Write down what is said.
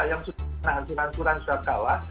yang sudah berhasil hancuran suria